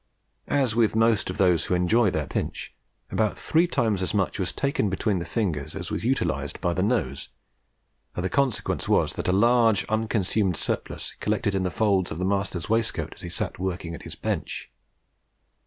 As with most of those who enjoy their pinch, about three times as much was taken between the fingers as was utilized by the nose, and the consequence was that a large unconsumed surplus collected in the folds of the master's waistcoat as he sat working at his bench.